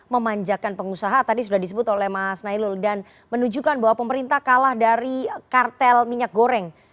memanjakan pengusaha tadi sudah disebut oleh mas nailul dan menunjukkan bahwa pemerintah kalah dari kartel minyak goreng